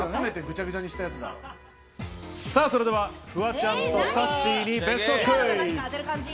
それではフワちゃんとさっしーに別荘クイズ。